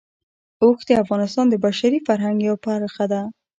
اوښ د افغانستان د بشري فرهنګ یوه برخه ده.